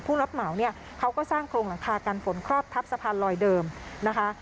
รับเหมาเนี่ยเขาก็สร้างโครงหลังคากันฝนครอบทับสะพานลอยเดิมนะคะ